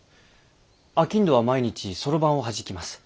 商人は毎日そろばんをはじきます。